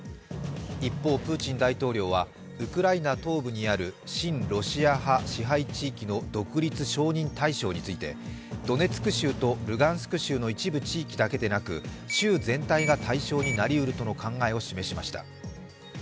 一方、プーチン大統領はウクライナ東部にある親ロシア派支配地域の独立承認対象について、ドネツク州とルガンスク州の一部地域だけでなく州全体が対象になりうるとの考えを示しました。